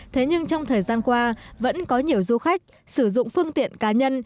thế nhưng trong thời gian qua vẫn có nhiều du khách sử dụng phương tiện cá nhân